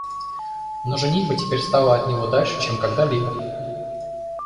Но женитьба теперь стала от него дальше, чем когда-либо.